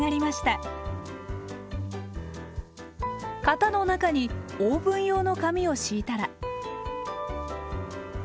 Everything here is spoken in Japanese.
型の中にオーブン用の紙を敷いたら。